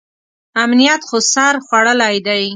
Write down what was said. امنیت خو سر خوړلی دی.